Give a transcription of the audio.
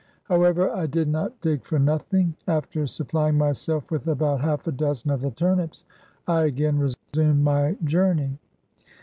How ever, I did not dig for nothing. After supplying my self with about half a dozen of the turnips, I again resumed my journey.